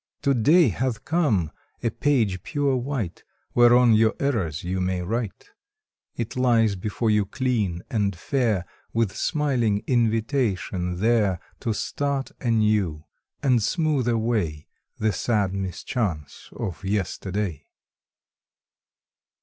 To day hath come, a page pure white, Whereon your errors you may right. It lies before you clean and fair With smiling invitation there To start anew, and smooth away The sad mischance of Yesterday.